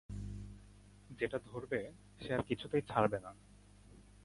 যেটা ধরবে সে আর কিছুতেই ছাড়বে না!